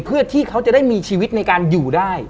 เพื่อที่เขาจะได้มีชีวิตในการอยู่ได้